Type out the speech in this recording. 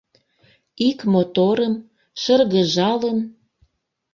Ик моторым, шыргыжалын